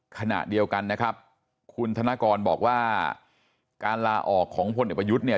ขณะเดียวกันนะครับคุณธนกรบอกว่าการลาออกของพลเอกประยุทธ์เนี่ย